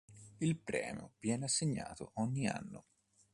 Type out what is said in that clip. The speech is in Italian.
Il premio viene assegnato ogni anno.